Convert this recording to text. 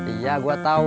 iya gua tau